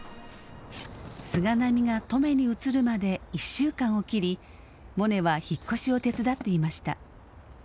菅波が登米に移るまで１週間を切りモネは引っ越しを手伝っていました。